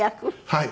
はい。